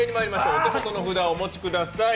お手元の札をお持ちください。